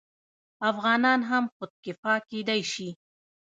افغانان هم خودکفا کیدی شي.